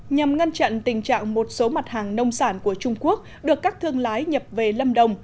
nhằm ngăn chặn tình trạng một số mặt hàng nông sản của trung quốc được các thương lái nhập về lâm đồng